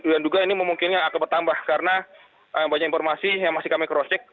dan juga ini memungkinkan akan bertambah karena banyak informasi yang masih kami crosscheck